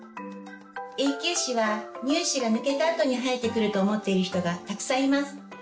永久歯は乳歯が抜けたあとに生えてくると思っている人がたくさんいます。